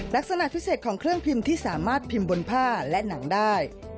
ลักษณะพิเศษของเครื่องพิมพ์ที่สามารถพิมพ์บนผ้าและหนังได้